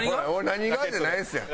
「何が？」じゃないですやん。